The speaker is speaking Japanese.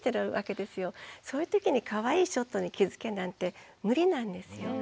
そういうときにかわいいショットに気付けなんて無理なんですよ。